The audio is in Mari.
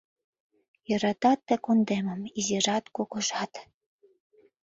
Йӧратат ты кундемым изижат-кугужат.